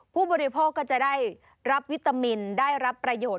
ผู้บริโภคก็จะได้รับวิตามินได้รับประโยชน